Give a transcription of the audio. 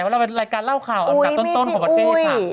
ว่าเราเป็นรายการเล่าข่าวแบบต้นของประเทศภาคอุ๊ยไม่ใช่อุ๊ย